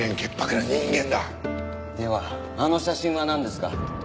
ではあの写真はなんですか？